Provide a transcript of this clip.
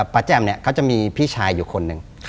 แจ่มเนี่ยเขาจะมีพี่ชายอยู่คนหนึ่ง